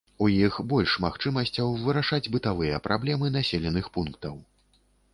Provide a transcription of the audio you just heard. У іх больш магчымасцяў вырашаць бытавыя праблемы населеных пунктаў.